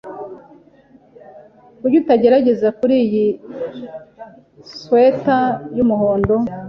Kuki utagerageza kuriyi swater yumuhondo?